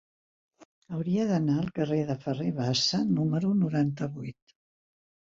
Hauria d'anar al carrer de Ferrer Bassa número noranta-vuit.